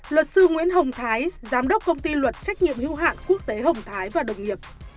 luật sư nguyễn hồng thái giám đốc công ty luật trách nhiệm hữu hạn quốc tế hồng thái và đồng nghiệp